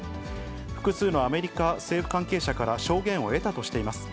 複数のアメリカ政府関係者から証言を得たとしています。